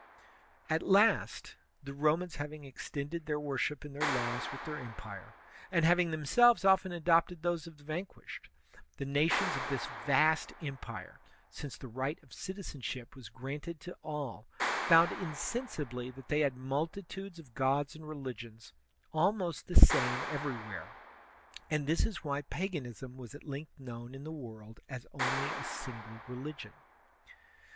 At last, the Romans having extended their worship and their laws with their empire, and having themselves often adopted those of the vanquished, the nations of this vast empire, since the right of citizenship was granted to all, found insensibly that they had multitudes of gods and religions, almost the same ever3rwhere; and this is why paganism was at length known in the world as only a single religion.